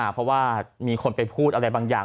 เพราะว่ามีคนไปพูดอะไรบางอย่าง